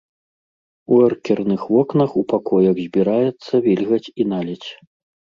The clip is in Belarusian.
У эркерных вокнах у пакоях збіраецца вільгаць і наледзь.